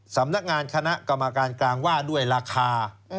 สำนักงานคณะกรรมการกลางว่าด้วยราคา